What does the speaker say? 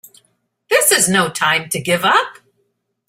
This is no time to give up!